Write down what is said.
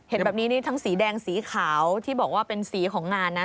เห็นแบบนี้นี่ทั้งสีแดงสีขาวที่บอกว่าเป็นสีของงานนะ